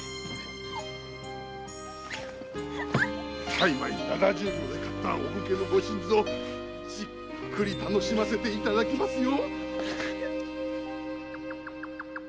大枚七十両で買ったお武家のご新造じっくり楽しませていただきますよ！